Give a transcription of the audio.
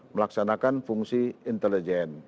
melaksanakan fungsi intelijen